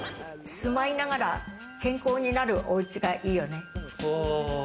住まいながら健康になるおうちがいいよね。